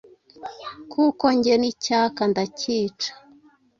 Kuko njye nicyaka ndacyica